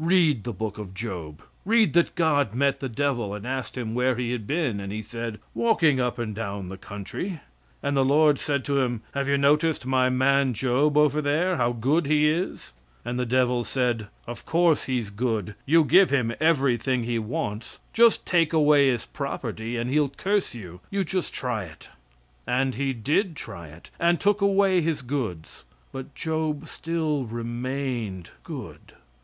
Read the book of Job; read that God met the devil and asked him where he had been, and he said, "Walking up and down the country;" and the Lord said to him, "Have you noticed my man Job over here, how good he is?" And the devil said, "Of course he's good, you give him everything he wants. Just take away his property and he'll curse you. You just try it." And he did try it, and took away his goods, but Job still remained good.